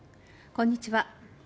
こんにちは。